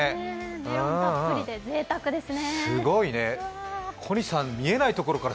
メロンたっぷりでぜいたくですね。